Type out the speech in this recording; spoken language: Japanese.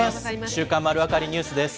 週刊まるわかりニュースです。